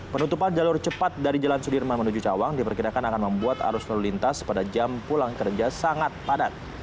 penutupan jalur cepat dari jalan sudirman menuju cawang diperkirakan akan membuat arus lalu lintas pada jam pulang kerja sangat padat